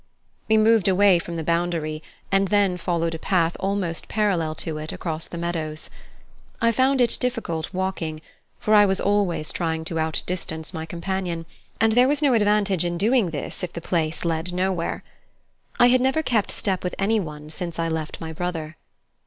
We moved away from the boundary, and then followed a path almost parallel to it, across the meadows. I found it difficult walking, for I was always trying to out distance my companion, and there was no advantage in doing this if the place led nowhere. I had never kept step with anyone since I left my brother.